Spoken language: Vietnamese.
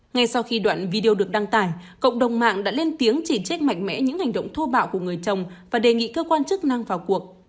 ngay sau khi đoạn video được đăng tải cộng đồng mạng đã lên tiếng chỉ trích mạnh mẽ những hành động thô bạo của người chồng và đề nghị cơ quan chức năng vào cuộc